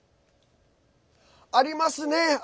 ありますね！